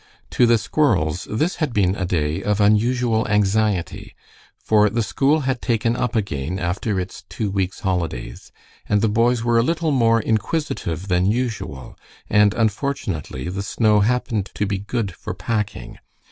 To the squirrels this had been a day of unusual anxiety, for the school had taken up again after its two weeks' holidays, and the boys were a little more inquisitive than usual, and unfortunately, the snow happened to be good for packing.